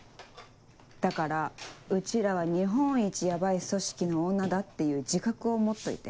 だからうちらは日本一ヤバい組織の女だっていう自覚を持っといて。